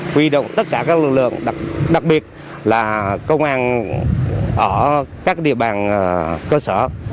huy động tất cả các lực lượng đặc biệt là công an ở các địa bàn cơ sở